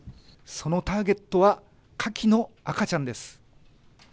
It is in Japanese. そのターゲットはかきの赤ちゃんです。